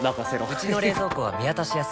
うちの冷蔵庫は見渡しやすい